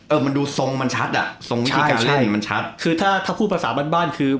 มันดูทรงมันชัดอ่ะทรงวิธีการเล่นมันชัดคือถ้าถ้าพูดภาษาบ้านบ้านคือ